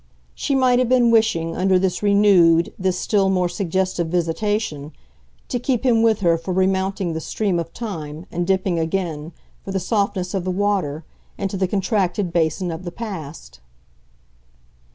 She might have been wishing, under this renewed, this still more suggestive visitation, to keep him with her for remounting the stream of time and dipping again, for the softness of the water, into the contracted basin of the past.